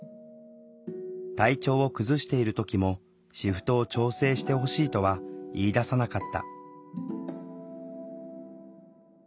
体調を崩している時もシフトを調整してほしいとは言いださなかった。